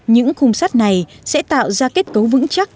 những khung sắt này sẽ tạo ra kết cấu vững chắc